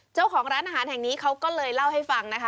เจ้าของร้านอาหารแห่งนี้เขาก็เลยเล่าให้ฟังนะคะ